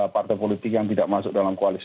partai politik yang tidak masuk dalam koalisi